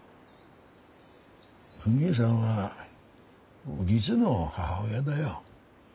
フミエさんは実の母親だよ。